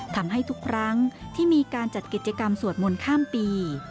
ทำให้ทุกครั้งที่มีการจัดกิจกรรมสวดมนต์ข้ามปี